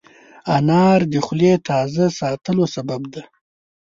انار د خولې تازه ساتلو سبب دی.